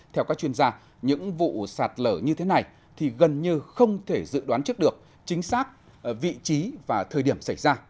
theo các chuyên gia những vụ sạt lở như thế này thì gần như không thể dự đoán trước được chính xác vị trí và thời điểm xảy ra